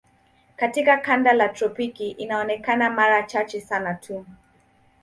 Katika kanda ya tropiki inaonekana mara chache sana tu.